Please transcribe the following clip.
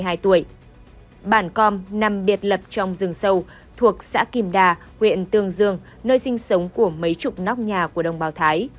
lương văn bún nằm biệt lập trong rừng sâu thuộc xã kim đà huyện tường dương nơi sinh sống của mấy chục nóc nhà của đông bào thái